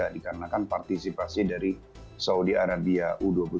dikarenakan partisipasi dari saudi arabia u dua puluh